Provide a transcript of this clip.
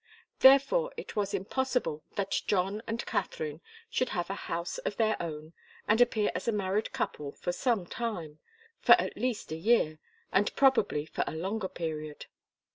Therefore it was impossible that John and Katharine should have a house of their own and appear as a married couple for some time, for at least a year, and probably for a longer period.